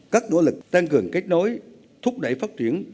các nỗ lực tăng cường kết nối thúc đẩy phát triển